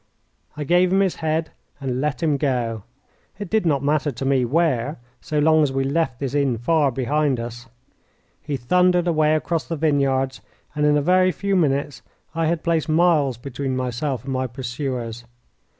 I gave him his head and let him go it did not matter to me where, so long as we left this inn far behind us. He thundered away across the vineyards, and in a very few minutes I had placed miles between myself and my pursuers.